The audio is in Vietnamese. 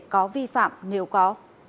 có vi phạm nhiều có